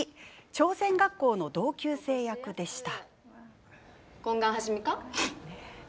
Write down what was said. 朝鮮学校の同級生役でした。